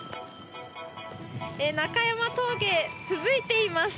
中山峠、ふぶいています。